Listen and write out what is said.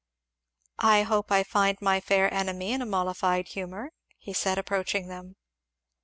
"I hope I find my fair enemy in a mollified humour," he said approaching them.